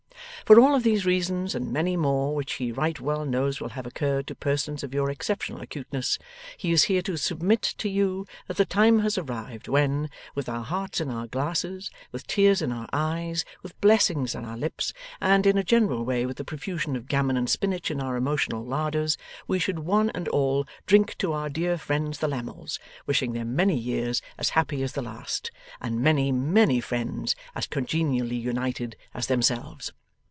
For all of these reasons, and many more which he right well knows will have occurred to persons of your exceptional acuteness, he is here to submit to you that the time has arrived when, with our hearts in our glasses, with tears in our eyes, with blessings on our lips, and in a general way with a profusion of gammon and spinach in our emotional larders, we should one and all drink to our dear friends the Lammles, wishing them many years as happy as the last, and many many friends as congenially united as themselves.